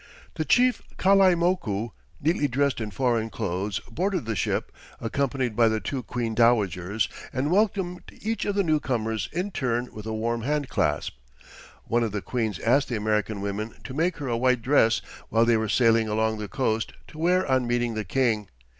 The chief Kalaimoku, neatly dressed in foreign clothes, boarded the ship, accompanied by the two queen dowagers, and welcomed each of the newcomers in turn with a warm hand clasp. One of the queens asked the American women to make her a white dress while they were sailing along the coast, to wear on meeting the King.